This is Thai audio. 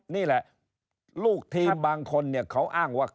นี่แหละลูกทีมบางคนเนี่ยเขาอ้างว่า